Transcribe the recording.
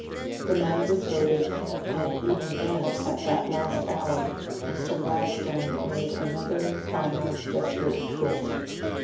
The money was voted; and even then, at that last hour, Mr. Gladstone made another, final, desperate twist.